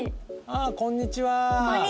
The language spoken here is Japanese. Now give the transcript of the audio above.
ああこんにちは！